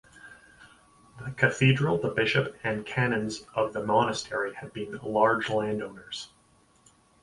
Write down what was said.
The cathedral, the bishop and canons of the monastery had been large landowners.